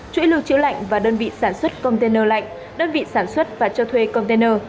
chuỗi lưu trữ lạnh và đơn vị sản xuất container lạnh đơn vị sản xuất và cho thuê container